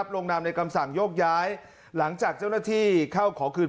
ลงนามในคำสั่งโยกย้ายหลังจากเจ้าหน้าที่เข้าขอคืน